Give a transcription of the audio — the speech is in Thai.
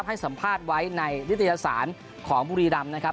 ให้สัมภาษณ์ไว้ในริติศาสนของบุคริลำ